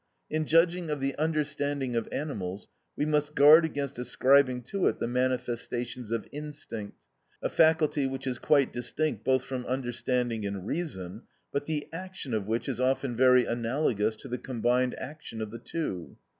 In judging of the understanding of animals, we must guard against ascribing to it the manifestations of instinct, a faculty which is quite distinct both from understanding and reason, but the action of which is often very analogous to the combined action of the two.